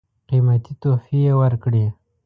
قېمتي تحفې ورکړې.